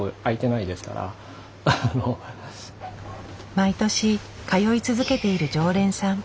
毎年通い続けている常連さん。